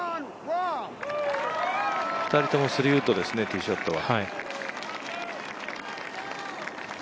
２人とも３ウッドですね、ティーショットは。